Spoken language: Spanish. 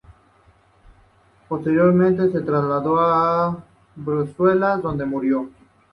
Posteriormente se trasladó a Bruselas, donde murió.